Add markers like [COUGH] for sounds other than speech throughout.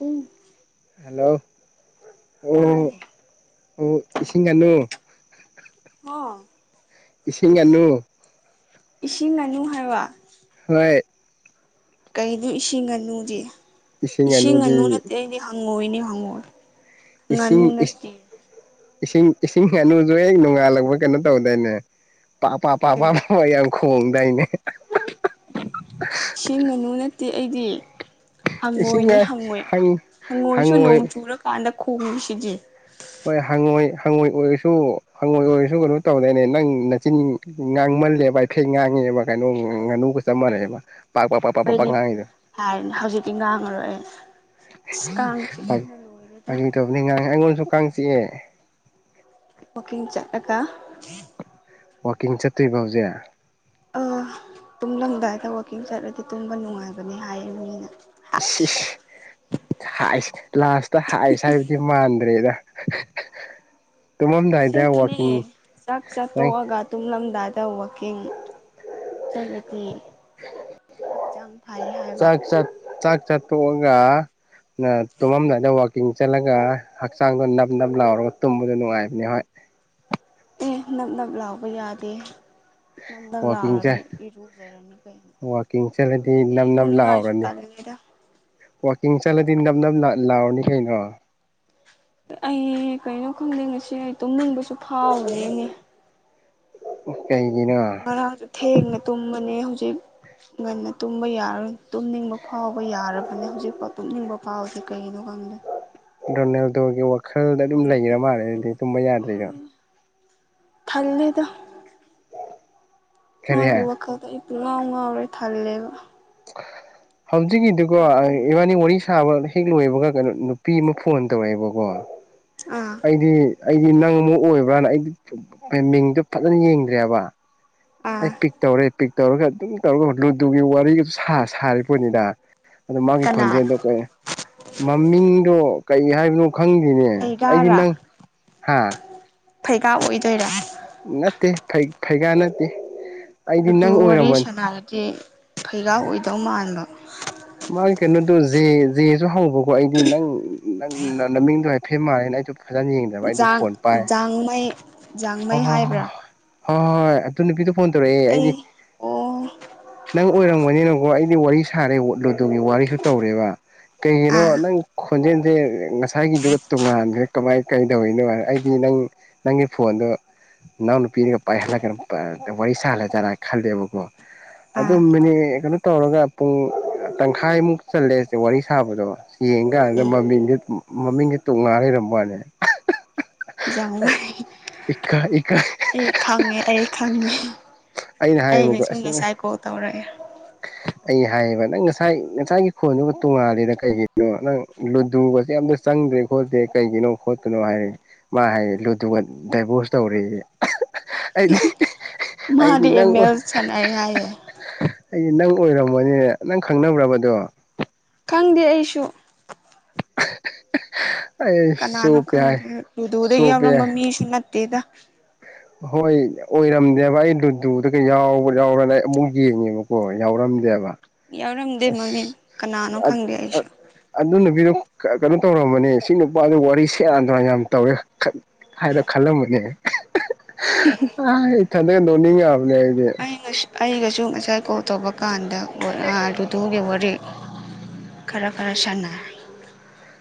ꯎꯝ hello ꯑꯣ ꯇꯥꯏ ꯑꯣ ꯏꯁꯤꯡ ꯉꯅꯨ ꯏꯁꯤꯡ ꯉꯥꯅꯨ ꯏꯁꯤꯡ ꯉꯥꯅꯨ ꯍꯥꯏꯕ ꯍꯣꯏ ꯀꯩꯩꯅꯣ ꯏꯁꯤꯡ ꯉꯥꯅꯨꯗꯤ ꯏꯁꯤꯡ ꯉꯥꯅꯨ ꯅꯠꯇꯦ ꯑꯩꯗꯤ ꯍꯪ ꯍꯪꯉꯣꯏꯅꯤ ꯍꯪꯉꯣꯏ ꯉꯥꯅꯨ ꯏꯁꯤꯡ ꯅꯠꯇꯦ ꯏꯁꯤꯡ ꯏꯁꯤꯡ ꯉꯥꯅꯨꯖꯨ ꯍꯦꯛ ꯅꯣꯡꯉꯥꯜꯂꯛꯄ ꯀꯩꯅꯣ ꯇꯧꯗꯏꯅꯦ ꯄꯥꯛ ꯄꯥꯛ ꯄꯥꯛ ꯄꯥꯛ ꯀꯔꯤ ꯌꯥꯝ ꯈꯣ ꯈꯣꯡꯗꯥꯏꯅꯦ ꯍꯥ ꯍꯥ ꯍꯥ ꯏꯁꯤꯡ ꯉꯅꯨ ꯅꯠꯇꯦ ꯑꯩꯗꯤ ꯏꯁꯤꯡ ꯍꯪꯉꯣꯏꯅꯤ ꯍꯪꯉꯣꯏ ꯍꯪꯉꯣꯏꯁꯨ ꯍꯪꯉꯣꯏ ꯅꯣꯡ ꯆꯨꯔꯀꯥꯟꯗ ꯈꯣꯡꯉꯤꯁꯤꯗꯤ ꯍꯣꯏ ꯍꯪꯉꯣꯏ ꯍꯪꯉꯣꯏ ꯑꯣꯏꯔꯁꯨ ꯍꯪꯉꯣꯏ ꯑꯣꯏꯔꯁꯨ ꯀꯅꯣ ꯇꯧꯗꯥꯏꯅꯦ ꯅꯪ ꯅꯆꯤꯟ ꯉꯥꯡ ꯉꯥꯡꯃꯜꯂꯦꯕ ꯕꯥꯏꯐꯩ ꯉꯥꯡꯉꯦꯕ ꯀꯅꯣ ꯉꯥꯅꯨꯒ ꯆꯞ ꯃꯥꯟꯅꯩꯕ ꯍꯣꯏꯅꯦ ꯐꯔꯦ ꯍꯧꯖꯤꯛꯇꯤ ꯉꯥꯡꯉꯔꯣꯏ ꯑꯩ ꯑꯁ ꯀꯥꯡ ꯐꯥ ꯆꯤꯛꯄꯅ ꯂꯣꯏꯔꯦꯗ ꯐꯥꯒꯤ ꯇꯧꯕꯅꯦ ꯉꯥꯡꯉꯦ ꯑꯩꯉꯣꯟꯁꯨ ꯀꯥꯡ ꯆꯤꯛꯑꯦ ꯋꯥꯛꯀꯤꯡ ꯆꯠꯂꯒ ꯋꯥꯛꯀꯤꯡ ꯆꯠꯇꯨꯏꯕ ꯍꯧꯖꯤꯛ ꯑꯥ ꯇꯨꯝꯂꯝꯗꯥꯏꯗ ꯋꯥꯛꯀꯤꯡ ꯆꯠꯂꯗꯤ ꯇꯨꯝꯕ ꯅꯨꯡꯉꯥꯏꯕꯅꯦ ꯍꯥꯏꯌꯦ ꯃꯤꯅ ꯏꯁ ꯍꯥꯏꯁ ꯏꯁ ꯍꯥꯏꯁ ꯂꯥꯁꯇ ꯍꯥꯏꯁ ꯍꯥꯏꯕꯗꯤ ꯃꯥꯟꯗ꯭ꯔꯦꯗ ꯇꯨꯝꯃꯝꯗꯥꯏꯗ ꯑꯁꯦꯡꯀꯤꯅꯦ ꯋꯥꯛꯀꯤꯡ ꯆꯥꯛ ꯆꯥ ꯅꯪ ꯇꯣꯛꯑꯒ ꯇꯨꯝꯂꯝꯗꯥꯏꯗ ꯋꯥꯛꯀꯤꯡ ꯆꯠꯂꯗꯤ ꯍꯛꯆꯥꯡ ꯐꯩ ꯍꯥꯏꯕ ꯆꯠꯇꯣꯛꯑꯒ ꯇꯨꯝꯃꯝꯗꯥꯏꯗ ꯋꯥ ꯀꯤꯡ ꯆꯠꯂꯒ ꯍꯛꯆꯥꯡꯗꯣ ꯅꯞ ꯅꯞ ꯂꯥꯎꯔꯒ ꯇꯨꯝꯕꯗꯣ ꯅꯨꯡꯉꯥꯏꯕꯅꯤ ꯍꯣꯏ ꯑꯦ ꯅꯞ ꯅꯞ ꯂꯥꯎꯕ ꯌꯥꯗꯦ ꯅꯞ ꯅꯞ ꯋꯥꯛꯀꯤꯡꯁꯦ ꯂꯎꯔꯗꯤ ꯏꯔꯨꯖꯔꯅꯤ ꯀꯩꯅꯣ ꯋꯥꯛꯀꯤꯡ ꯆꯠꯂꯗꯤ ꯍꯧꯖꯤꯛꯗꯤ ꯏꯔꯨꯅꯤꯉꯥꯏꯁꯨ ꯇꯥꯜꯂꯤ ꯂꯦꯗ ꯋꯥꯀꯤꯡ ꯆꯠꯂꯗꯤ ꯅꯞ ꯅꯞ ꯂꯎꯔꯅꯤ ꯀꯩꯅꯣ ꯑꯩ ꯀꯩꯅꯣ ꯈꯪꯗꯦ ꯉꯁꯤ ꯑꯩ ꯇꯨꯝꯅꯤꯡꯕꯁꯨ ꯐꯥꯎꯔꯤꯅꯦ ꯎꯝ ꯉꯥꯔꯡꯁꯨ ꯊꯦꯡꯅ ꯇꯨꯝꯕꯅꯤ ꯍꯧꯖꯤꯛ ꯉꯟꯅ ꯇꯨꯝꯕ ꯌꯔꯣꯏ ꯇꯨꯝꯅꯤꯡꯕ ꯐꯥꯎꯕ ꯌꯥꯔꯕꯅꯤ ꯍꯧꯖꯤꯛꯐꯥꯎ ꯇꯨꯝꯅꯤꯡꯕ ꯐꯥꯎꯗ꯭ꯔꯤ ꯀꯩꯒꯤꯅꯣ ꯈꯪ ꯗꯦ ꯗꯣꯅꯦꯜꯗꯣꯒꯤ ꯋꯥꯈꯜꯗ ꯑꯗꯨꯝ ꯂꯩꯈꯔ ꯃꯥꯜꯂꯦ ꯑꯗꯨꯗꯤ ꯇꯨꯝꯕ ꯌꯥꯗ꯭ꯔꯤꯗꯣ ꯊꯜꯂꯦꯗ ꯀꯔꯤ ꯃꯒꯤ ꯋꯈꯜꯗ ꯑꯩ ꯄꯨꯉꯎ ꯉꯎꯔꯦ ꯊꯜꯂꯦꯕ ꯍꯧꯖꯤꯛꯒꯤꯗꯤ ꯀꯣ ꯍꯣꯔꯦꯟ ꯏꯕꯅꯤ ꯋꯥꯔꯤꯁ ꯊꯥꯕ ꯍꯦꯛ ꯂꯣꯏꯕꯒ ꯀꯩꯅꯣ ꯅꯨꯄꯤ ꯑꯃ ꯐꯣꯟ ꯇꯧꯔꯛꯑꯦꯕꯀꯣ ꯑꯥ ꯑꯩꯗꯤ ꯑꯩꯗꯤ ꯅꯪ ꯑꯃꯨꯛ ꯑꯣꯏꯕ꯭ꯔꯅ ꯑꯩꯗꯤ ꯃꯤꯡꯗꯣ ꯐꯖꯅ ꯌꯦꯡꯗꯦ ꯍꯥꯢꯕ ꯑꯥ ꯑꯩ ꯄꯤꯛ ꯇꯧꯔꯦ ꯄꯤꯛ ꯇꯧꯔꯒ ꯑꯗꯨꯝ ꯇꯧꯔꯒ ꯂꯨꯗꯨꯒꯤ ꯋꯥꯔꯤꯒ ꯁꯥꯁꯥꯔꯤꯄꯣꯅꯤꯗ ꯑꯗ ꯃꯥꯒꯤ ꯀꯅꯥꯅꯣ ꯈꯣꯟꯖꯦꯜꯗꯣ ꯀꯩ ꯃꯃꯤꯡꯗꯣ ꯀꯩ ꯍꯥꯏꯕꯅꯣ ꯈꯪꯗꯤꯅꯦ ꯑꯩꯗꯤ ꯅꯪ ꯍꯥ ꯐꯩꯒꯥꯥꯛ ꯑꯣꯏꯗꯣꯏꯔꯥ ꯅꯠꯇꯦ ꯐꯩ ꯐꯩꯒꯥ ꯅꯠꯇꯦ ꯑꯩꯗꯤ ꯂꯨꯗꯨ ꯅꯪ ꯋꯥꯔꯤ ꯑꯣꯏꯔꯝꯃꯅꯤ ꯁꯥꯟꯅꯔꯗꯤ ꯐꯩꯔꯥ ꯑꯣꯏꯗꯧ ꯃꯥꯟꯕ ꯃꯥꯒꯤ ꯀꯩꯅꯣꯗꯣ ꯖꯦ ꯖꯦꯁꯨ ꯍꯧꯕꯀꯣ ꯑꯩꯗꯤ ꯅꯪ ꯅꯪ ꯅꯃꯤꯡꯗꯣ ꯍꯥꯏꯐꯦ ꯃꯥꯜꯂꯦꯅꯦ ꯑꯩꯁꯨ ꯐꯖꯅ ꯌꯦꯡꯗ꯭ꯔꯕ ꯑꯩꯗꯣ ꯥꯖꯡ ꯐꯣꯟ ꯄꯥꯏ ꯖꯥꯡꯃꯩ ꯍꯣꯏ ꯖꯥꯡꯃꯩ ꯍꯣꯏ ꯍꯏꯕ꯭ꯔꯥ ꯍꯣꯏ ꯍꯣꯏ ꯍꯣꯏ ꯑꯗꯨ ꯅꯨꯄꯤꯗꯣ ꯐꯣꯟ ꯇꯧꯔꯛꯑꯦ ꯑꯩꯗꯤ ꯑꯣ ꯅꯪ ꯑꯣꯏꯔꯝꯒꯅꯦ ꯍꯣ ꯑꯩꯗꯤ ꯋꯥꯔꯤ ꯁꯥꯔꯦ ꯂꯨꯗꯨꯒꯤ ꯋꯥꯔꯤꯁꯨ ꯇꯧꯔꯦꯕ ꯀꯩꯒꯤꯅꯣ ꯑꯥ ꯅꯪ ꯈꯣꯟꯖꯦꯜꯁꯦ ꯉꯁꯥꯏꯒꯤꯗꯨꯒ ꯇꯣꯉꯥꯟꯒ꯭ꯔꯦ ꯀꯃꯥꯏ ꯀꯩꯗꯧꯔꯤꯅꯣ ꯑꯩꯗꯤ ꯅꯪ ꯅꯪꯒꯤ ꯐꯣꯟꯗꯣ ꯅꯅꯥꯎ ꯅꯨꯄꯤꯅꯒ ꯄꯏꯍꯜꯂꯒꯅ ꯋꯥꯔꯤ ꯁꯥꯍꯜꯂꯖꯔꯥ ꯈꯜꯂꯦꯕꯀꯣ ꯑꯗꯨ ꯑꯥ ꯃꯤꯅꯦ ꯀꯩꯅꯣ ꯇꯧꯔꯒ ꯄꯨꯡ ꯇꯪꯈꯏꯃꯨꯛ ꯆꯜꯂꯦ ꯁꯤ ꯋꯥꯔꯤ ꯁꯥꯕꯗꯣ ꯌꯦꯡꯗꯥ ꯌꯔꯣꯏ ꯎꯝ ꯃꯃꯤꯡ ꯃꯃꯤꯡꯗꯤ ꯇꯣꯡꯉꯥꯟꯔꯝ ꯃꯅꯦ ꯖꯥꯡꯃꯩ ꯏꯀ ꯏꯛ ꯑꯩ ꯈꯪꯉꯦ ꯑꯩ ꯈꯪꯉꯦ ꯑꯩꯅ ꯍꯥꯏꯌꯦꯕꯀꯣ ꯑꯩꯩꯅꯁꯨꯨꯝ ꯑꯁ ꯉꯁꯥꯏ ꯀꯣꯜ ꯇꯧꯔꯛꯑꯦ ꯑꯩ ꯍꯥꯏꯌꯦꯕ ꯅꯪ ꯉꯁꯥꯏ ꯉꯁꯥꯏꯒꯤ ꯈꯣꯟꯗꯨꯒ ꯇꯣꯡꯉꯥꯂꯦꯅ ꯀꯩꯒꯤꯅꯣ ꯅꯪ ꯂꯨꯗꯨꯒꯁꯦ ꯑꯝꯗ ꯆꯪ ꯈꯪꯗ꯭ꯔꯦ ꯈꯣꯠꯇꯦ ꯀꯩꯒꯤꯅꯣ ꯈꯣꯠꯀꯅꯣ ꯍꯌꯦ ꯃꯥ ꯍꯏ ꯑꯗꯨꯒ ꯗꯥꯏꯕꯣꯔꯁ ꯇꯧꯔꯦꯌꯦ ꯑꯩꯗꯤ ꯑꯩꯗꯤ ꯃꯗꯤ ꯑꯦꯝ ꯅꯪ ꯑꯦꯜ ꯁꯅꯩ ꯍꯥꯏꯌꯦ ꯑꯩꯗꯤ ꯅꯪ ꯑꯣꯏꯔꯝꯃꯣꯅꯦ ꯅꯪ ꯈꯪꯅꯕ꯭ꯔꯕꯗꯣ ꯈꯪꯗꯦ ꯑꯩꯁꯨ ꯍ ꯍ ꯍ ꯀꯅꯥꯅꯣ ꯈꯪꯗꯦ ꯂꯨꯗꯨꯗ ꯆꯣꯞꯄꯦ ꯌꯥꯎꯔꯝꯕ ꯃꯤꯁꯨ ꯅꯠꯇꯦꯗ ꯍꯣꯏ ꯑꯣꯏꯔꯝꯗꯦꯕ ꯑꯩ ꯂꯨꯗꯨꯗꯒ ꯌꯥꯕ ꯌꯥꯎꯔ ꯑꯩ ꯑꯃꯨꯛ ꯌꯦꯡꯉꯦꯕꯀꯣ ꯌꯎꯔꯝ ꯈꯪꯗꯦꯑꯕ ꯌꯥꯎꯔꯝꯗꯦ ꯑꯁ ꯃꯃꯤꯡ ꯀꯅꯥꯅꯣ ꯑ ꯈꯪꯗꯦ ꯑ ꯑꯩꯁꯨ ꯑꯗꯨꯅꯨꯄꯤꯗꯣ ꯀꯩꯅꯣ ꯇꯧꯔꯝꯃꯅꯤ ꯁꯤ ꯅꯨꯄꯥꯖ ꯋꯥꯔꯤ ꯁꯦꯔꯟ ꯇꯨꯔꯟ ꯌꯥꯝ ꯇꯧꯋꯦ ꯍꯏꯅ ꯈꯜꯂꯝꯃꯅꯦ ꯑ ꯏꯊꯟꯗꯒ ꯅꯣꯛꯅꯤꯡꯉꯕꯅꯦ ꯑꯩꯗꯤ ꯑꯩ ꯑꯩꯒꯁꯨ ꯉꯁꯥꯏ ꯀꯣꯜ ꯇꯧꯕ ꯀꯥꯟꯗ ꯑ ꯔꯨꯗꯨꯒꯤ ꯋꯥꯔꯤ ꯈꯔ ꯔꯁꯅꯥ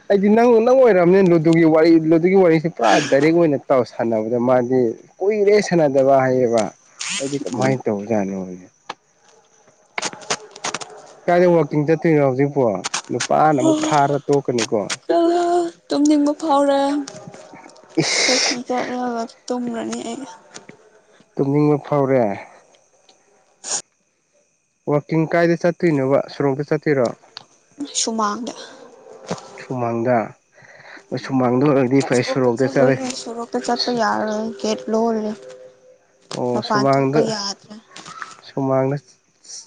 ꯑꯩꯗꯤ ꯅꯪ ꯅꯪ ꯑꯣꯏꯔꯝꯅꯤ ꯂꯨꯗꯨꯒꯤ ꯋꯥꯔꯤ ꯂꯨꯗꯨꯒꯤ ꯋꯥꯔꯤꯁꯦ ꯄꯨꯔꯥ ꯗꯥꯏꯔꯦꯛ ꯑꯣꯏꯅ ꯇꯥꯎ ꯁꯥꯟꯅꯕꯗ ꯃꯥꯗꯤ ꯀꯨꯏꯔꯦ ꯁꯥꯟꯅꯗꯕ ꯍꯥꯏꯌꯦꯕ ꯑꯩꯗꯤ ꯀꯃꯥꯏꯅ ꯇꯧꯖꯥꯅꯣꯅꯦ ꯀꯥꯏꯗ ꯋꯥꯛꯀꯤꯡ ꯆꯠꯇꯣꯏꯅꯣ ꯍꯧꯖꯤꯛꯄꯣ ꯅꯨꯄꯥꯅ ꯑꯃꯨꯛ ꯐꯥꯔ ꯇꯣꯛꯀꯅꯤꯀꯣ ꯎꯝ ꯇꯨꯝꯅꯤꯡꯕ ꯐꯥꯎꯔꯦ ꯏꯁ ꯋꯥꯛꯀꯤꯡ ꯆꯠꯂꯒ ꯇꯨꯝꯔꯅꯤ ꯑꯦ ꯇꯨꯝꯅꯤꯡꯕ ꯐꯥꯎꯔꯦ ꯋꯥꯛꯀꯤꯡ ꯀꯥꯏꯗ ꯆꯠꯇꯣꯏꯅꯣꯕ ꯁꯣꯔꯣꯛꯇ ꯆꯠꯇꯣꯏꯔꯣ ꯁꯨꯃꯥꯡꯗ ꯃꯁꯨꯨꯝꯃꯥꯡꯗ ꯁꯣꯔꯣꯛꯇ ꯆꯠꯂꯣꯏꯌꯦ ꯁꯣꯔꯣꯛꯇ ꯆꯠꯄ ꯌꯥꯔꯔꯣꯏ ꯒꯦꯠ ꯂꯣꯜꯂꯦ ꯑꯣ ꯃꯄꯥꯟ ꯊꯣꯛꯄ ꯁꯨꯃꯥꯡꯗ ꯌꯥꯗ꯭ꯔꯦ ꯁꯨꯃꯥꯡꯗ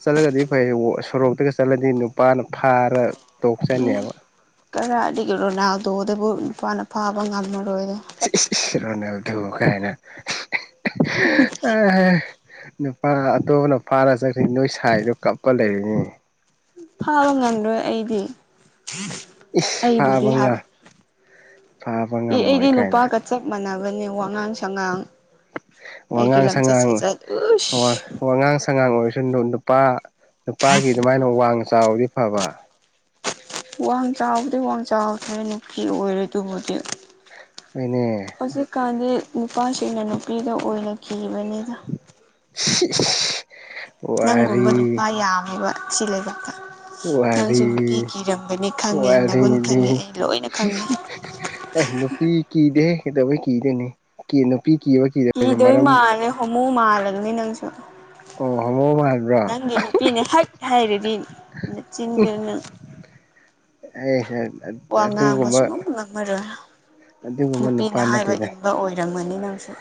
ꯆꯠꯂꯒꯗꯤ ꯐꯩ ꯁꯣꯔꯣꯛꯇꯒ ꯆꯠꯂꯗꯤ ꯅꯨꯄꯥꯅ ꯐꯥꯔ ꯎ ꯇꯣꯛꯆꯅꯦꯕ ꯀꯔꯥꯏꯗꯒꯤ ꯔꯣꯅꯥꯜꯗꯣꯗꯕꯨ ꯅꯨꯄꯥꯅ ꯐꯥꯕ ꯉꯝꯃ ꯏꯁ ꯏꯁ ꯔꯣꯅꯥꯜꯗꯣ ꯀꯥꯏꯅ ꯑ ꯅꯨꯄꯥ ꯑꯇꯣꯞꯄꯅ ꯐꯥꯔ ꯆꯠꯈꯤ ꯅꯣꯏ ꯁꯥꯏꯗꯣ ꯀꯞꯄ ꯂꯩꯔꯅꯤ ꯐꯥꯕ ꯉꯝꯔꯣꯏ ꯑꯩꯗꯤ ꯏꯁ ꯑꯩꯕꯨꯗꯤ ꯐꯥꯕ ꯍꯥꯏꯕ ꯐꯥꯕ ꯑꯦ ꯉꯝꯃꯣꯏ ꯑꯩꯗꯤ ꯀꯥꯏꯅ ꯅꯨꯄꯥꯒ ꯆꯞ ꯃꯥꯟꯅꯕꯅꯦ ꯋꯥꯉꯥꯡ ꯁꯉꯥꯡ ꯑꯩꯒꯤ ꯋꯥꯉꯥꯡ ꯂꯝꯆꯠ ꯁꯉꯥꯡ ꯁꯥꯖꯠ ꯋꯥ ꯎꯁ ꯋꯥꯉꯥꯡ ꯁꯉꯥꯡ ꯑꯣꯏꯔꯁꯨ ꯅꯨꯄꯥ ꯅꯨꯄꯥꯒꯤ ꯑꯗꯨꯃꯥꯏꯅ ꯋꯥꯡ ꯆꯥꯎꯔꯗꯤ ꯐꯕ ꯋꯥꯡ ꯆꯥꯎꯕꯗꯤ ꯋꯥꯡ ꯆꯥꯎꯗ꯭ꯔꯦ ꯅꯨꯡꯇꯤ ꯑꯣꯏꯔꯦ ꯑꯗꯨꯕꯨꯗꯤ ꯍꯣꯏꯅꯦ ꯅꯨꯄꯥꯁꯤꯡꯅ ꯅꯨꯄꯤꯗ ꯑꯣꯏꯅ ꯀꯤꯕꯅꯤꯗ [INAUDIBLE] ꯅꯪꯒꯨꯝꯕ ꯋꯥꯔꯤ ꯅꯨꯄꯥ ꯌꯥꯝꯃꯦꯕ ꯁꯤ ꯂꯩꯕꯥꯛꯇ ꯅꯪꯖꯨ ꯋꯥꯔꯤ ꯅꯨꯄꯤ ꯀꯤꯔꯝꯒꯅꯤ ꯈꯪꯉꯦ ꯅꯒꯨꯟ ꯈꯪꯉꯦ ꯋꯥꯔꯤꯗꯤ ꯑꯩ ꯂꯣꯏꯅ ꯈꯪꯉꯦ ꯑꯦ ꯅꯨꯄꯤ ꯀꯤꯗꯦꯍꯦ ꯀꯩꯗꯧꯕꯩ ꯀꯗꯣꯏꯅꯣ ꯀꯤ ꯅꯨꯄꯤ ꯀꯤꯕ ꯀꯤꯗꯕꯁꯦ ꯀꯤꯗꯣꯏ ꯃꯔꯝ ꯃꯥꯜꯂꯦ ꯍꯣꯃꯨ ꯃꯥꯜꯂꯕꯅꯤ ꯅꯪꯁꯨ ꯑꯣ ꯍꯣ ꯅꯪꯒꯤ ꯅꯨꯄꯤꯅꯦ ꯍꯥꯠ ꯍꯥꯏꯔꯕꯤ ꯅꯆꯤꯟꯗꯨꯅ ꯑꯦ ꯑꯗꯨꯒꯨꯝꯕ ꯁꯨꯡꯉꯝ ꯉꯝꯃꯔꯣꯏ ꯑꯗꯨꯒꯨꯝꯕ ꯅꯨꯄꯥ ꯅꯨꯄꯤꯅ ꯍꯥꯏꯕ ꯅꯠꯇꯦꯗ ꯏꯟꯕ ꯑꯣꯏꯔꯝꯒꯅꯤ ꯅꯪꯁꯨ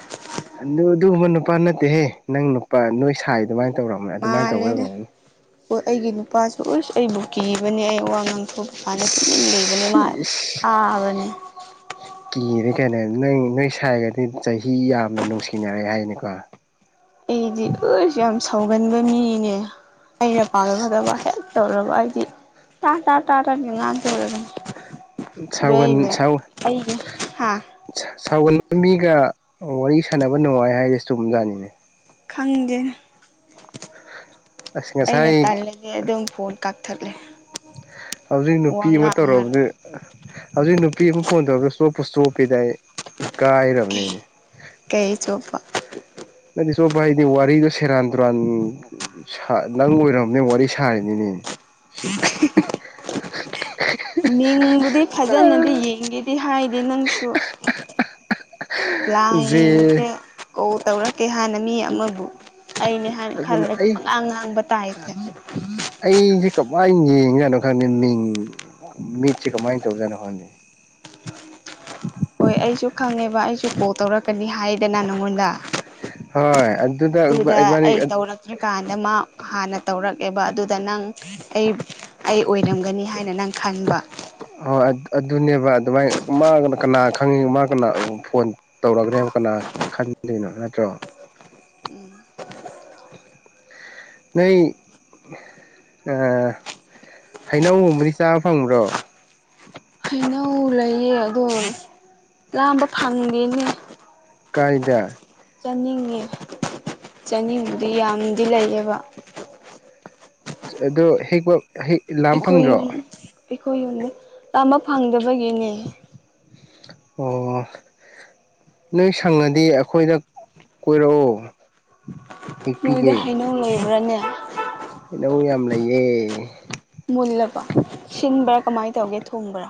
ꯑꯗꯨꯒꯨꯝꯕ ꯅꯨ ꯅꯨꯄꯥ ꯅꯠꯇꯦꯍꯦ ꯅꯪ ꯅꯨꯄꯥ ꯅꯣꯏ ꯁꯥꯏ ꯑꯗꯨꯃꯥꯏꯅ ꯇꯧꯔꯝꯕꯅꯦ ꯑꯗꯨꯃꯥꯏꯅ ꯇꯧꯕ ꯃꯥꯜꯂꯦꯗ ꯑꯣꯏꯔꯝꯒꯅꯤ ꯍꯣꯏ ꯑꯩꯒꯤ ꯅꯨꯄꯥꯁꯨ ꯑꯣꯁ ꯑꯩꯕꯨ ꯀꯤꯕꯅꯦ ꯑꯩ ꯋꯥꯉꯦ ꯐꯥꯅꯦ ꯇꯨꯃꯤꯟ ꯂꯩꯕꯅꯦ ꯏꯁ ꯃꯥ ꯏꯁ ꯇꯥꯕꯅꯦ ꯀꯦꯅꯦ ꯅꯪ ꯅꯣꯏ ꯁꯥꯏꯒꯗꯤ ꯆꯍꯤ ꯌꯥꯝꯅ ꯅꯨꯡꯁꯤꯅꯔꯦ ꯍꯥꯏꯅꯦꯀꯣ ꯁꯧꯒꯟꯕ ꯃꯤꯅꯦ ꯑꯩꯅ ꯄꯥꯒꯐꯗꯕ ꯍꯦꯛ ꯇꯧꯔꯕ ꯑꯩꯗꯤ ꯇꯥ ꯇꯥ ꯇꯥ ꯇꯥꯅꯤ ꯉꯥꯟ ꯇꯧꯔꯕꯅꯤ ꯁꯥꯎꯒꯟ ꯁꯥꯎ ꯍꯥ ꯁꯥ ꯁꯥꯎꯒꯟꯕ ꯃꯤꯒ ꯋꯥꯔꯤ ꯁꯥꯟꯅꯕ ꯅꯨꯡꯉꯥꯏ ꯍꯥꯏꯖꯦ ꯆꯨꯝ ꯖꯥꯠꯅꯤꯅꯦ ꯈꯪꯗꯦ ꯑꯁ ꯑꯩꯅ ꯉꯁꯥꯏ ꯇꯥꯜꯂꯗꯤ ꯑꯗꯨꯝ ꯐꯣꯟ ꯀꯛꯊꯠꯂꯦ ꯍꯧꯖꯤꯛ ꯅꯨꯄꯤ ꯋꯥ ꯑꯃ ꯉꯥꯡꯉꯔꯣꯏ ꯇꯧꯔꯕꯗꯤ ꯍꯧꯖꯤꯛ ꯅꯨꯄꯤ ꯑꯃ ꯐꯣꯟ ꯇꯧꯔ ꯆꯣꯞꯄ ꯆꯣꯞꯄꯤꯗ ꯑꯩ ꯏꯀꯥꯏꯔꯕꯅꯦ ꯀꯩ ꯀꯩ ꯆꯣꯞꯄ ꯅꯗꯤ ꯆꯣꯞꯄ ꯍꯥꯏꯗꯤ ꯋꯥꯔꯤꯗꯣ ꯁꯦꯔꯥꯟ ꯇꯨꯔꯥꯟ ꯁꯥ ꯅꯪ ꯑꯣꯏꯔꯝꯅꯦ ꯋꯥꯔꯤ ꯁꯥꯔꯤꯅꯤꯅꯦ ꯁꯤ ꯃꯤꯡꯕꯨꯗꯤ ꯐꯖꯅꯗꯤ ꯌꯦꯡꯒꯦꯗꯤ ꯍꯥꯏꯗꯦ ꯅꯪꯁꯨ ꯄ꯭ꯂꯥꯏ ꯖꯦ ꯅꯠꯇ꯭ꯔꯦ ꯀꯣꯜ ꯇꯧꯔꯛꯀꯦ ꯍꯥꯟꯅ ꯃꯤ ꯑꯃꯕꯨ ꯑꯩꯅꯦ ꯍꯥꯟꯅ ꯑꯗꯨꯅ ꯈꯜꯂꯒ ꯑꯩ ꯄꯪꯉꯥꯡ ꯉꯥꯡꯕ ꯇꯥꯏꯞꯇ ꯑꯩꯖꯦ ꯀꯃꯥꯏ ꯀꯃꯥꯏ ꯌꯦꯡꯉꯤꯖꯅꯣ ꯈꯪꯗꯦ ꯃꯤꯡ ꯃꯤꯠꯁꯦ ꯀꯃꯥꯏꯅ ꯇꯧꯖꯥꯠꯅꯣ ꯈꯪꯗꯦ ꯍꯣꯏ ꯑꯩꯁꯨ ꯈꯪꯉꯦꯕ ꯑꯩꯁꯨ ꯀꯣꯜ ꯇꯧꯔꯛꯀꯅꯤ ꯍꯥꯏꯗꯅ ꯅꯪꯉꯣꯟꯗ ꯍꯣꯏ ꯑꯗꯨꯗ ꯏꯕꯥꯅꯤ ꯑꯩ ꯇꯧꯔꯛꯇ꯭ꯔꯀꯥꯟꯗ ꯃꯥ ꯍꯥꯟꯅ ꯇꯧꯔꯛꯑꯦꯕ ꯑꯗꯨꯗ ꯅꯪ ꯑꯩ ꯑꯩ ꯑꯣꯏꯔꯝꯒꯅꯤ ꯍꯥꯏꯅ ꯅꯪ ꯈꯟꯕ ꯍꯣꯏ ꯑꯗꯨꯅꯦꯕ ꯑꯗꯨꯃꯥꯏꯅ ꯃꯥꯒꯅ ꯀꯅꯥ ꯈꯪꯉꯤ ꯃꯥꯒꯅ ꯐꯣꯟ ꯇꯧꯔꯛꯒꯅꯦꯕ ꯀꯅꯥ ꯈꯟꯗꯣꯏꯅꯣ ꯅꯠꯇ꯭ꯔꯣ ꯎꯝ ꯅꯣꯏ ꯑꯥ ꯍꯩꯅꯧꯒꯨꯝꯕꯗꯤ ꯆꯥꯕ ꯐꯪꯕ꯭ꯔꯣ ꯍꯩꯅꯧ ꯂꯩꯌꯦ ꯑꯗꯣ ꯂꯥꯝꯕ ꯐꯪꯗꯦꯅꯦ ꯀꯥꯏꯗ ꯆꯥꯅꯤꯡꯉꯦ ꯆꯥꯅꯤꯡꯕꯗꯤ ꯌꯥꯝꯗꯤ ꯂꯩꯌꯦꯕ ꯑꯗꯣ ꯍꯦꯛꯄ ꯍꯦꯛ ꯂꯥꯝ ꯑꯩꯈꯣꯏ ꯐꯪꯗ꯭ꯔꯣ ꯌꯨꯝ ꯑꯩꯈꯣꯏ ꯌꯨꯝꯗ ꯂꯦꯝꯕ ꯐꯪꯗꯕꯒꯤꯅꯦ ꯑꯣ ꯅꯣꯏ ꯁꯪꯉꯗꯤ ꯑꯩꯈꯣꯏꯗ ꯀꯣꯏꯔꯛꯑꯣ ꯍꯦꯛꯄꯤꯒꯦ ꯅꯣꯏꯗ ꯍꯩꯅꯧ ꯂꯩꯕ꯭ꯔꯥꯅꯦ ꯍꯩꯅꯧ ꯌꯥꯝ ꯂꯩꯌꯦ ꯃꯨꯜꯂꯕ ꯁꯤꯟꯕ꯭ꯔꯥ ꯀꯃꯥꯏꯅ ꯇꯧꯒꯦ ꯊꯣꯡꯕ꯭ꯔꯥ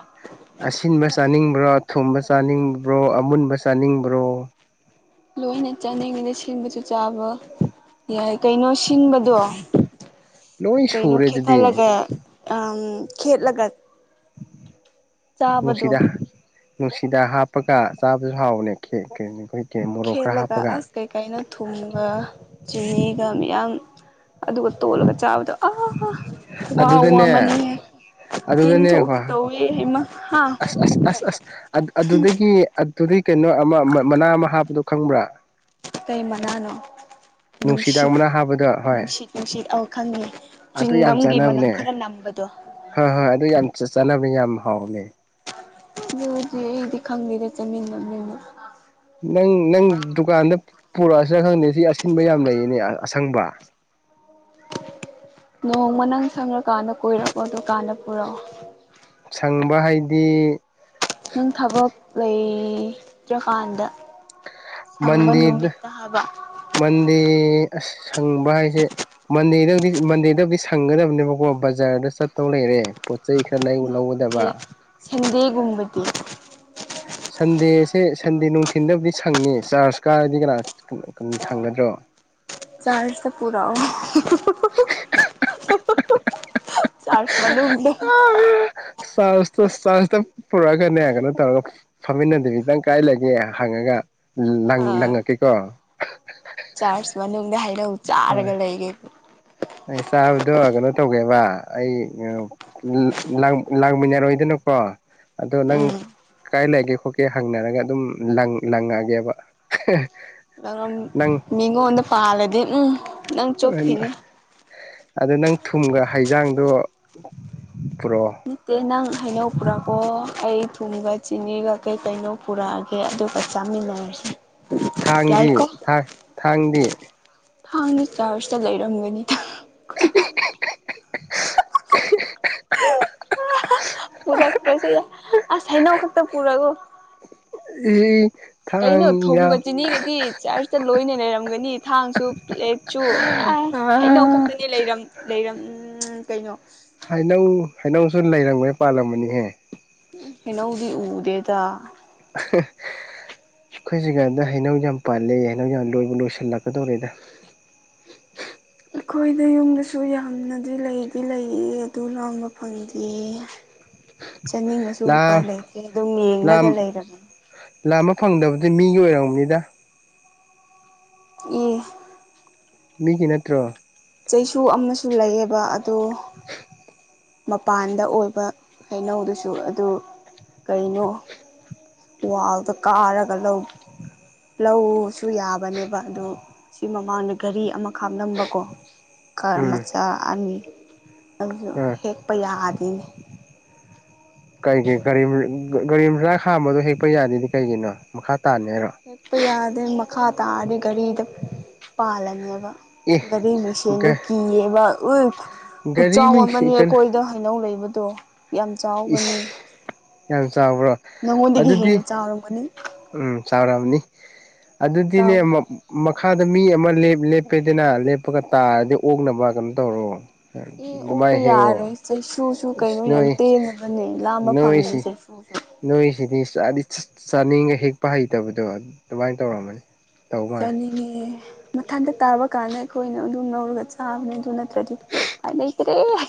ꯑꯁꯤꯟꯕ ꯆꯥꯅꯤꯡꯕ꯭ꯔꯣ ꯊꯨꯝꯕ ꯆꯥꯅꯤꯡꯕ꯭ꯔꯣ ꯑꯃꯨꯟꯕ ꯆꯥꯅꯤꯡꯕ꯭ꯔꯣ ꯂꯣꯏꯅ ꯆꯪꯅꯤꯡꯉꯤꯗ ꯁꯤꯟꯕꯁꯨ ꯆꯥꯕ ꯌꯥꯏ ꯀꯩꯅꯣ ꯁꯤꯟꯕꯗꯣ ꯂꯣꯏ ꯀꯩꯅꯣ ꯁꯨꯔꯦ ꯑꯗꯨꯗꯤ ꯈꯦꯊꯂꯒ ꯑꯥ ꯈꯦꯠꯂꯒ ꯆꯥꯕꯗꯣ ꯅꯨꯡꯁꯤꯗ ꯅꯨꯡꯁꯤꯗꯥꯛ ꯍꯥꯞꯄꯒ ꯆꯥꯕꯁꯨ ꯍꯥꯎꯕꯅꯦ ꯈꯦ ꯈꯦ ꯀꯦ ꯃꯣꯔꯣꯛ ꯈꯔ ꯈꯦꯠꯂꯒ ꯍꯥꯞꯄꯒ ꯑꯁ ꯀꯩ ꯀꯩꯅꯣ ꯊꯨꯝꯒ ꯆꯤꯅꯤꯒ ꯃꯌꯥꯝ ꯑꯗꯨꯒ ꯇꯣꯜꯂꯒ ꯆꯥꯕꯗꯣ ꯑꯥꯥ ꯋꯥꯎ ꯑꯗꯨꯗꯅꯦ ꯋꯥꯃꯅꯤꯍꯦ ꯇꯤꯟ ꯑꯗꯨꯗꯅꯦꯀꯣ ꯊꯣꯛꯀꯦ ꯇꯧꯋꯦ ꯍꯩꯃꯥ ꯍꯥ ꯑꯁ ꯑꯁ ꯑꯁ ꯑꯁ ꯑꯗꯨꯗꯒꯤ ꯑꯗꯨꯗꯤ ꯀꯩꯅꯣ ꯑꯃ ꯃꯅꯥ ꯑꯃ ꯍꯥꯞꯄꯗꯣ ꯈꯪꯕ꯭ꯔꯥ ꯀꯩ ꯃꯅꯥꯅꯣ ꯅꯨꯡꯁꯤꯗꯥꯛ ꯅꯨꯡꯁꯤꯠ ꯃꯅꯥ ꯍꯥꯄꯗꯣ ꯍꯣꯏ ꯅꯨꯡꯁꯤꯠ ꯅꯨꯡꯁꯤꯠ ꯑꯧ ꯈꯪꯉꯦ ꯑꯗꯨ ꯌꯥꯝ ꯆ꯭ꯋꯤꯡꯒꯝꯒꯤ ꯃꯅꯝ ꯆꯥꯅꯕꯅꯦ ꯈꯔ ꯅꯝꯕꯗꯣ ꯍꯣꯏ ꯍꯣꯏ ꯑꯗꯨ ꯌꯥꯝ ꯆꯥꯅꯕꯅꯦ ꯌꯥꯝ ꯍꯥꯎꯅꯦ ꯗꯨꯗꯤ ꯑꯩꯗꯤ ꯈꯪꯗꯦꯗ ꯆꯃꯤꯟꯅ ꯃꯤꯟꯅ ꯅꯪ ꯅꯪ ꯗꯨꯀꯥꯟꯗ ꯄꯨꯔꯛꯑꯁꯤꯔ ꯈꯪꯗꯦ ꯁꯤ ꯑꯁꯤꯟꯕ ꯌꯥꯝ ꯂꯩꯌꯦꯅꯦ ꯑꯁꯪꯕ [UNINTELLIGIBLE] ꯅꯣꯡꯃ ꯅꯪ ꯁꯪꯉꯀꯥꯟꯗ ꯀꯣꯏꯔꯛꯑꯣ ꯗꯨꯀꯥꯟꯗ ꯄꯨꯔꯛꯑꯣ ꯍꯪꯕ ꯍꯥꯏꯗꯤ ꯅꯪ ꯊꯕꯛ ꯂꯩꯇ꯭ꯔꯀꯥꯟꯗ ꯁꯪꯕ ꯃꯟꯗꯦꯗ ꯅꯨꯃꯤꯠꯇ ꯍꯥꯏꯕ ꯃꯟꯗꯦ ꯑꯁ ꯁꯪꯕ ꯍꯥꯏꯖꯦ ꯃꯟꯗꯦꯗꯗꯤ ꯃꯟꯗꯦꯗꯕꯨꯗꯤ ꯁꯪꯒꯗꯕꯅꯦꯕꯀꯣ ꯕꯖꯥꯔꯗ ꯆꯠꯇꯧ ꯂꯩꯔꯦ ꯄꯣꯠ ꯆꯩ ꯈꯔ ꯂꯩ ꯅꯠꯇꯦ ꯂꯧꯒꯗꯕ ꯁꯦꯟꯗꯦꯒꯨꯝꯕꯗꯤ ꯁꯟꯗꯦꯁꯦ ꯁꯟꯗꯦ ꯅꯨꯡꯊꯤꯟꯗꯕꯨꯗꯤ ꯁꯪꯉ ꯆꯥꯔꯖ ꯀꯥꯔꯗꯤ ꯀꯅꯥ ꯁꯪꯒꯗ꯭ꯔꯣ ꯆꯥꯔꯖꯇ ꯄꯨꯔꯛꯑꯣ ꯍꯣ ꯍꯣ ꯍꯨ-ꯍꯨ-ꯍꯨ ꯍꯨ ꯆꯔꯖ ꯃꯅꯨꯡꯗ ꯆꯥꯔꯖꯇ ꯆꯥꯔꯖꯇ ꯄꯨꯔꯛꯑꯒꯅꯦ ꯀꯩꯅꯣ ꯇꯧꯔꯒ ꯐꯝꯃꯤꯟꯅꯗꯕꯤ ꯀꯥꯏ ꯂꯩꯒꯦ ꯍꯪꯉꯒ ꯂꯪ ꯂꯪꯉꯛꯀꯦꯀꯣ ꯆꯥꯔꯆ ꯃꯅꯨꯡꯗ ꯍꯥꯏꯅꯧ ꯍꯣꯏ ꯆꯥꯔꯒ ꯂꯩꯒꯦ ꯑꯩ ꯆꯥꯕꯗꯣ ꯀꯩꯅꯣ ꯇꯧꯒꯦꯕ ꯑꯩ ꯂꯥ ꯂꯥꯡꯃꯤꯟꯅꯔꯣꯏꯗꯅꯀꯣ ꯑꯣ ꯑꯗꯣ ꯅꯪ ꯎꯝ ꯀꯥꯏ ꯂꯩꯒꯦ ꯈꯣꯠꯀꯦ ꯍꯪꯅꯔꯒ ꯑꯗꯨꯝ ꯂꯥꯪ ꯂꯪꯉꯒꯦꯕ ꯅꯪ ꯍꯦ ꯃꯤꯉꯣꯟꯗ ꯄꯥꯜꯂꯗꯤ ꯎꯝ ꯅꯪ ꯆꯣꯞꯈꯤꯅꯤ ꯑꯗꯨ ꯅꯪ ꯊꯨꯝꯒ ꯍꯩꯖꯥꯡꯗꯣ ꯄꯨꯔꯛꯑꯣ ꯅꯠꯇꯦ ꯅꯪ ꯍꯩꯅꯧ ꯄꯨꯔꯛꯑꯣ ꯑꯩ ꯊꯨꯝꯒ ꯆꯤꯅꯤꯒ ꯀꯩꯀꯩꯅꯣ ꯄꯨꯔꯛꯑꯒꯦ ꯑꯗꯨꯒ ꯆꯥꯃꯤꯟꯅꯔꯁꯤ ꯊꯥꯡꯗꯤ ꯌꯥꯏꯀꯣ ꯊꯥꯡ ꯊꯥꯡꯗꯤ ꯊꯥꯡꯗꯤ ꯆꯥꯔꯖꯇ ꯂꯩꯔꯝꯒꯅꯤꯗ ꯍꯦ ꯍꯦ ꯍꯦ ꯍꯦ ꯍꯦ ꯄꯨꯔꯛꯇ꯭ꯔꯁꯨ ꯌꯥ ꯑꯁ ꯍꯩꯅꯧ ꯈꯛꯇ ꯄꯨꯔꯛꯎ ꯏ ꯀꯩꯅꯣ ꯊꯥꯡ ꯌꯥ ꯊꯨꯝꯒ ꯆꯤꯅꯤꯒꯗꯤ ꯆꯥꯔꯆ ꯇ ꯂꯣꯏꯅ ꯂꯩꯔꯝꯒꯅꯤ ꯊꯥꯡꯁꯨ ꯄ꯭ꯂꯦꯠꯁꯨ ꯑꯁ ꯍꯩꯅꯧ ꯈꯛꯇꯅꯤ ꯂꯩꯔꯝ ꯂꯩꯔꯝ ꯎꯝ ꯀꯩꯅꯣ ꯍꯩꯅꯧ ꯍꯩꯅꯧꯁꯨ ꯂꯩꯔꯝꯒ ꯄꯥꯜꯂꯝꯃꯅꯤꯍꯦ ꯍꯩꯅꯧꯗꯤ ꯎꯗꯦꯗ ꯑꯍꯥ ꯍꯥ ꯑꯩꯈꯣꯏ ꯖꯤꯒꯥꯗ ꯍꯩꯅꯧ ꯌꯥꯝ ꯄꯥꯜꯂꯦ ꯍꯩꯅꯧ ꯌꯥꯝ ꯂꯣꯏꯕꯨ ꯂꯣꯏꯁꯤꯜꯂꯛꯀꯗꯧꯔꯦꯗ [INAUDIBLE] ꯑꯩꯈꯣꯏꯗ ꯌꯨꯝꯗꯁꯨ ꯌꯥꯝꯅꯗꯤ ꯂꯩꯗꯤ ꯂꯩꯌꯦ ꯑꯗꯨ ꯂꯥꯝꯕ ꯐꯪꯗꯤꯌꯦ ꯆꯥꯅꯤꯡꯉꯁꯨ ꯎꯄꯥꯏ ꯂꯥꯝ ꯂꯩꯇ꯭ꯔꯦ ꯑꯗꯨꯝ ꯂꯥꯝ ꯌꯦꯡꯂꯒ ꯂꯩꯔꯦ ꯂꯥꯝꯕ ꯐꯪꯗꯕꯗꯤ ꯃꯤꯒꯤ ꯑꯣꯏꯔꯝꯒꯅꯤꯗ ꯑꯦ ꯃꯤꯒꯤ ꯅꯠꯇ꯭ꯔꯣ ꯆꯩꯁꯨ ꯑꯃꯁꯨ ꯂꯩꯌꯦꯕ ꯑꯗꯣ ꯃꯄꯥꯟꯗ ꯑꯣꯏꯕ ꯍꯩꯅꯧꯗꯨꯁꯨ ꯑꯗꯨ ꯀꯩꯅꯣ ꯋꯥꯜꯗ ꯀꯥꯔꯒ ꯂꯧ [INAUDIBLE] ꯂꯧꯁꯨ ꯌꯥꯕꯅꯦꯕ ꯑꯗꯨ ꯁꯤ ꯃꯃꯥꯡꯗ ꯒꯥꯔꯤ ꯑꯃ ꯈꯥꯝꯂꯝꯕꯀꯣ ꯎꯝ ꯀꯔꯃꯆꯥ ꯑꯅꯤ ꯑꯗꯨ ꯑꯥ ꯍꯦꯛꯄ ꯌꯥꯗꯦꯅꯦ ꯀꯩꯒꯤ ꯒꯥꯔꯤꯝꯆꯥꯥ ꯈꯥꯝꯕꯗꯣ ꯍꯦꯛꯄ ꯌꯥꯗꯦꯗꯤ ꯀꯩꯒꯤꯅꯣ ꯃꯈꯥ ꯇꯥꯅꯤ ꯍꯥꯏꯔꯣ ꯍꯦꯛꯄ ꯌꯥꯗꯦ ꯃꯈꯥ ꯇꯥꯔꯗꯤ ꯒꯥꯔꯤꯗ ꯄꯥꯜꯂꯅꯦꯕ ꯑꯦ ꯒꯔꯤ ꯃꯤꯡꯁꯦꯜꯗꯨ ꯒ ꯀꯤꯌꯦꯕ ꯎ ꯒꯥꯔꯤ ꯈꯨꯠꯆꯥꯎ ꯃꯤꯡꯁꯤ ꯑꯃꯅꯤ ꯀꯩꯅꯣ ꯑꯩꯈꯣꯏꯗ ꯍꯩꯅꯧ ꯂꯩꯕꯗꯣ ꯌꯥꯝ ꯆꯥꯎꯕꯅꯤ ꯏꯁ ꯌꯥꯝ ꯆꯥꯎꯕ꯭ꯔꯣ ꯅꯪꯉꯣꯟꯗꯒꯤ ꯑꯗꯨꯗꯤ ꯍꯦꯟꯅ ꯆꯥꯎꯔꯝꯒꯅꯤ ꯎꯝ ꯆꯥꯎꯔꯝꯅꯤ ꯑꯗꯨꯗꯤꯅꯦ ꯆꯥꯎꯋꯦ ꯃꯥ ꯃꯥ ꯥꯃꯈꯥꯗ ꯃꯤ ꯑꯃ ꯂꯦꯞꯄꯦꯗꯅ ꯂꯦꯞꯄꯒ ꯇꯥꯔꯗꯤ ꯑꯣꯛꯅꯕ ꯀꯩꯅꯣ ꯇꯧꯔꯣ ꯃꯤ ꯑꯣꯛꯄ ꯑꯗꯨꯃꯥꯏ ꯍꯦꯛꯑꯣ ꯌꯥꯔꯣꯏ ꯆꯩꯁꯨꯨꯁꯨ ꯏꯁ ꯀꯩꯅꯣ ꯌꯥꯝ ꯅꯣꯏ ꯄꯦꯜꯂꯕꯅꯦ ꯂꯥꯝꯕ ꯅꯣꯏꯁꯤ ꯐꯪꯗ꯭ꯔꯤꯁꯦ ꯅꯣꯏꯁꯤꯗꯤ ꯆꯥꯗꯤ ꯆꯥꯅꯤꯡꯉ ꯍꯦꯛꯄ ꯍꯩꯇꯕꯗꯣ ꯑꯗꯨꯃꯥꯏ ꯇꯧꯔꯝꯃꯅꯤ ꯇꯧ ꯃꯥꯜꯂꯦ ꯆꯥꯅꯤꯡꯉꯦ ꯃꯊꯟꯇ ꯇꯥꯕ ꯀꯥꯟꯗ ꯑꯩꯈꯣꯏꯅ ꯑꯗꯨꯝ ꯂꯧꯔꯒ ꯆꯥꯕꯅꯦ ꯑꯗꯨ ꯅꯠꯇ꯭ꯔꯗꯤ ꯎꯄꯥꯏ ꯂꯩꯇ꯭ꯔꯦ ꯍꯦ ꯍꯦ